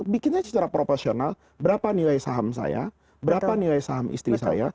bikinnya secara proporsional berapa nilai saham saya berapa nilai saham istri saya